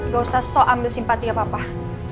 gak usah sok ambil simpati ya bapak